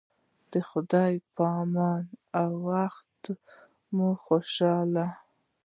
د خدای په امان او وخت مو خوشحاله